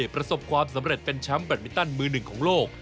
ประสบความสำเร็จเป็นแชมป์แบตมินตันมือหนึ่งของโลก